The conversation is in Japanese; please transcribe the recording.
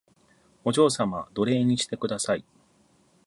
お嬢様奴隷にしてください